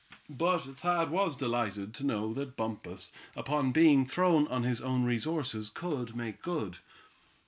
But Thad was delighted to know that Bumpus, upon being thrown on his own resources, could make good.